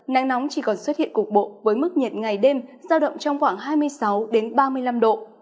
nắng nóng chỉ còn xuất hiện cục bộ với mức nhiệt ngày đêm giao động trong khoảng hai mươi sáu ba mươi năm độ